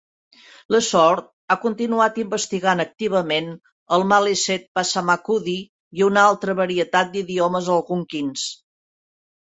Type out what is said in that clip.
LeSourd ha continuat investigant activament el maliseet-passamaquoddy i una altra varietat d'idiomes algonquins.